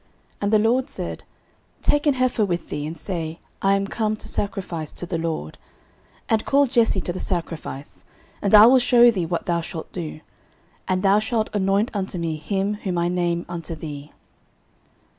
And the LORD said, Take an heifer with thee, and say, I am come to sacrifice to the LORD. 09:016:003 And call Jesse to the sacrifice, and I will shew thee what thou shalt do: and thou shalt anoint unto me him whom I name unto thee.